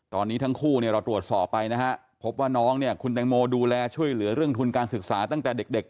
ตอนนี้ทั้งคู่เนี่ยเราตรวจสอบไปนะฮะพบว่าน้องเนี่ยคุณแตงโมดูแลช่วยเหลือเรื่องทุนการศึกษาตั้งแต่เด็ก